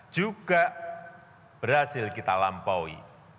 juga berhasil kita lampaui